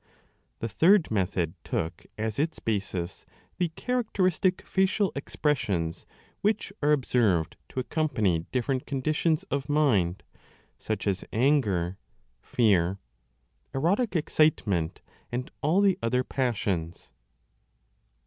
The third method took as its basis the characteristic facial expressions which are observed to accompany different conditions of mind, such as anger, fear, erotic 30 excitement, and all the other passions.